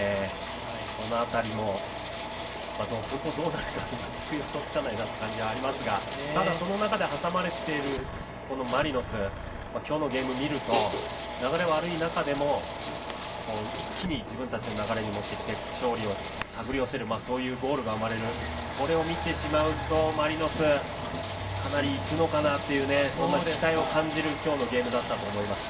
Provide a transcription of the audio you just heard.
その辺りもどうなるか全く予想つかない感じはありますがその中で挟まれているマリノス、今日のゲームを見ると流れ、悪い中でも一気に自分たちの流れに持ってきて勝利を手繰り寄せるゴールが生まれるこれを見てしまうと、マリノスかなりいくのかなという期待を感じる今日のゲームだったと思います。